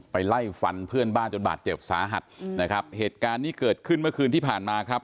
ไล่ฟันเพื่อนบ้านจนบาดเจ็บสาหัสนะครับเหตุการณ์นี้เกิดขึ้นเมื่อคืนที่ผ่านมาครับ